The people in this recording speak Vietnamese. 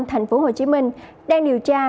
thành phố hồ chí minh đang điều tra